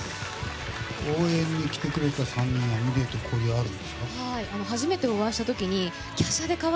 応援に来てくれた３人はｍｉｌｅｔと交流あるんですか？